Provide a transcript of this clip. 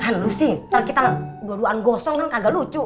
lalu sih kalau kita dua duaan gosong kan kagak lucu